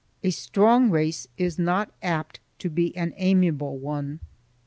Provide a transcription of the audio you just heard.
A strong race is not apt to be an amiable one.